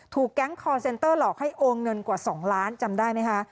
แก๊งคอร์เซ็นเตอร์หลอกให้โอนเงินกว่า๒ล้านจำได้ไหมคะ